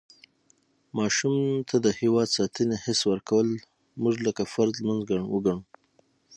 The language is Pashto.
ماشوم ته د هېواد ساتنې حس ورکول مونږ لکه فرض لمونځ وګڼو.